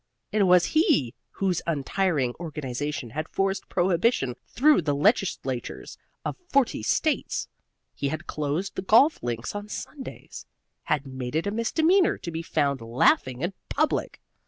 It was he whose untiring organization had forced prohibition through the legislatures of forty States had closed the golf links on Sundays had made it a misdemeanor to be found laughing in public.